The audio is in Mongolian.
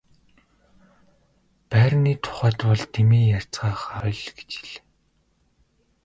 Байрны тухайд бол дэмий ярьцгаахаа боль гэж хэл.